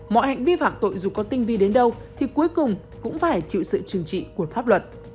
mọi hành vi phạm tội dù có tinh vi đến đâu thì cuối cùng cũng phải chịu sự trừng trị của pháp luật